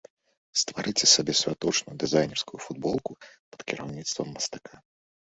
Стварыце сабе святочную дызайнерскую футболку пад кіраўніцтвам мастака!